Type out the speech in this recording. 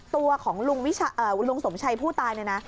ตัวของลุงสมชัยผู้ตายเนี่ยนะ